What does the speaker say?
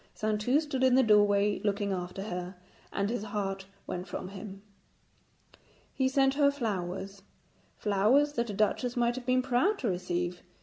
Saintou stood in the doorway looking after her, and his heart went from him. He sent her flowers flowers that a duchess might have been proud to receive.